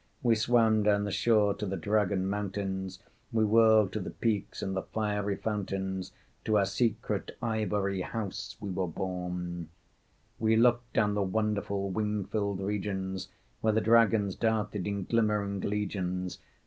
We swam down the shore to the dragon mountains, We whirled to the peaks and the fiery fountains. To our secret ivory house we were bourne. We looked down the wonderful wing filled regions Where the dragons darted in glimmering legions.